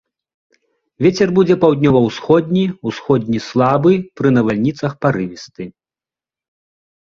Вецер будзе паўднёва-ўсходні, усходні слабы, пры навальніцах парывісты.